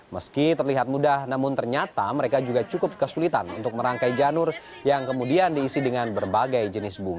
meski terlihat mudah namun ternyata mereka juga cukup kesulitan untuk merangkai janur yang kemudian diisi dengan berbagai jenis bunga